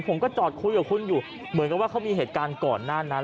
ผมก็จอดคุยกับคุณอยู่เหมือนกับว่าเขามีเหตุการณ์ก่อนหน้านั้น